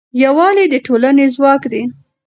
یووالی د ټولنې ځواک دی.